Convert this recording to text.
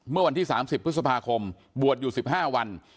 เมื่อวันที่๓๐พฤษภาคมบวชอยู่๑๕วัน